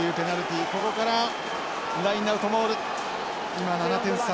今７点差。